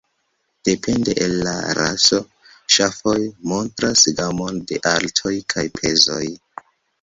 Depende el la raso, ŝafoj montras gamon de altoj kaj pezoj.